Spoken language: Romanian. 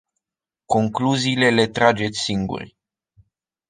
Concluziile le trageți singuri.